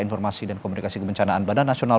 informasi dan komunikasi kebencanaan badan nasional